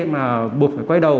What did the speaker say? mà buộc phải quay đầu